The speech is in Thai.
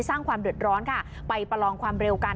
สร้างความเดือดร้อนค่ะไปประลองความเร็วกัน